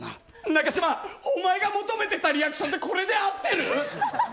中嶋お前が求めてたリアクションってこれで合ってる？